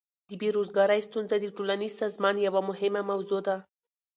د بیروزګاری ستونزه د ټولنیز سازمان یوه مهمه موضوع ده.